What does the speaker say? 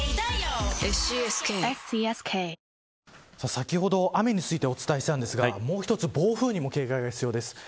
先ほど雨についてお伝えしたんですがもう一つ暴風にも警戒が必要です。